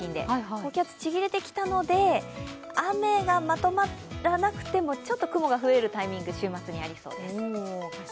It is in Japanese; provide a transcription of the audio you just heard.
高気圧、ちぎれてきたので、雨がまとまらなくても、ちょっと雲が増えるタイミングが週末にありそうです。